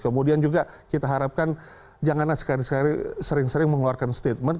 kemudian juga kita harapkan janganlah sekali sering sering mengeluarkan statement